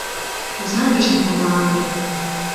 Озаҥ гычын кондалалме